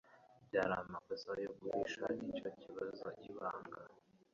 Byari amakosa yo guhisha icyo kibazo ibanga.